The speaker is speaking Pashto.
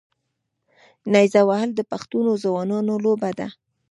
نیزه وهل د پښتنو ځوانانو لوبه ده.